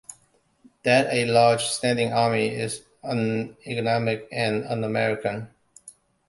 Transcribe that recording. That a large standing army is uneconomic and un-American.